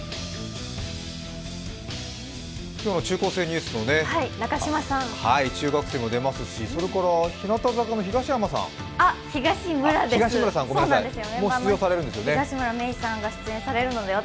今日の中高生ニュースの中学生も出ますしそれから、日向坂の東村さんも出場されるんですよね？